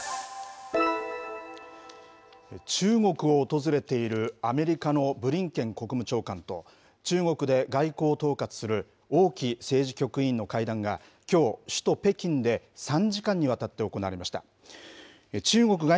中国を訪れているアメリカのブリンケン国務長官と、中国で外交を統括する王毅政治局委員の会談が、きょう、首都、北京で３時間にわたって行われました。